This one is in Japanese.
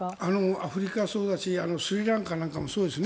アフリカはそうだしスリランカなんかもそうですね。